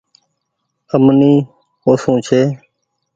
امني اوسون ڇي۔